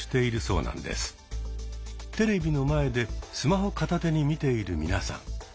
テレビの前でスマホ片手に見ている皆さん。